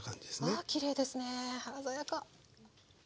わあきれいですね鮮やか！